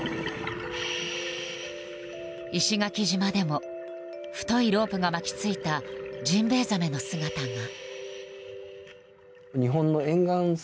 石垣島でも太いロープが巻き付いたジンベイザメの姿が。